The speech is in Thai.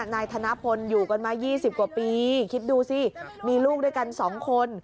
นายธนพลอยู่กันมา๒๐กว่าปีคิดดูสิมีลูกด้วยกัน๒คน